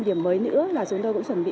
điểm mới nữa là chúng tôi cũng chuẩn bị